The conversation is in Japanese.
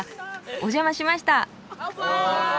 お邪魔しました。